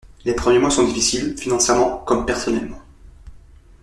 Les premiers mois sont difficiles, financièrement comme personnellement.